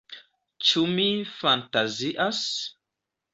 Ĉu mi fantazias?